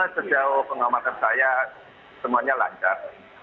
sejauh pengamatan saya semuanya lancar